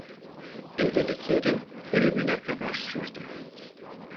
Evlilikleri ölümüne kadar sürdü.